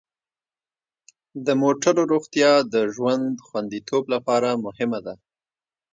د موټرو روغتیا د ژوند خوندیتوب لپاره مهمه ده.